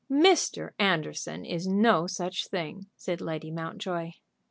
"Mr. Anderson is no such thing," said Lady Mountjoy.